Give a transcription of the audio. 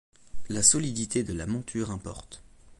La solidité de la monture importe.